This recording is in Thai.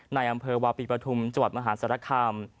ในอำเภอวาปิปฐุมจมหาศาลคาม